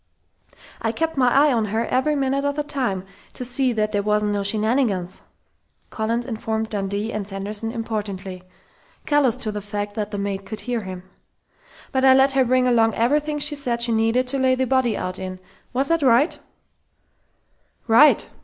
"I kept my eye on her every minute of the time, to see that there wasn't no shenanigans," Collins informed Dundee and Sanderson importantly, callous to the fact that the maid could hear him. "But I let her bring along everything she said she needed to lay the body out in.... Was that right?" "Right!"